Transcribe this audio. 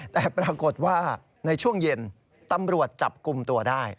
แต่ปรากฏว่าในช่วงเย็นตำรวจจับกลุ่มตัวได้